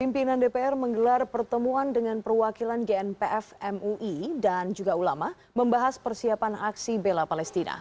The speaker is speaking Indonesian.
pimpinan dpr menggelar pertemuan dengan perwakilan gnpf mui dan juga ulama membahas persiapan aksi bela palestina